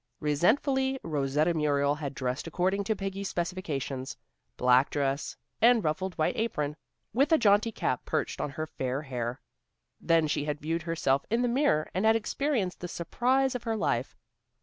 Resentfully Rosetta Muriel had dressed according to Peggy's specifications, black dress and ruffled white apron, with a jaunty cap perched on her fair hair. Then she had viewed herself in the mirror and had experienced the surprise of her life.